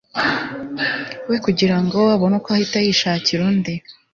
we kugira ngo abone uko ahita yishakira undi